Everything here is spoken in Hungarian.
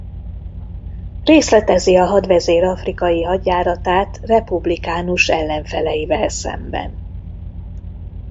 Részletezi a hadvezér afrikai hadjáratát republikánus ellenfeleivel szemben.